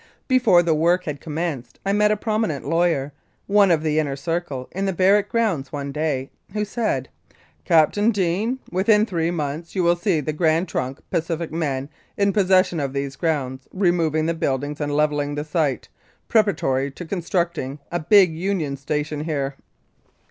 Before the work had commenced I met a prominent lawyer, one of the inner circle, in the barrack grounds one day, who said, " Cap tain Deane, within three months you will see the Grand Trunk Pacific men in possession of these grounds, re moving the buildings and levelling the site, preparatory to constructing a big union station here."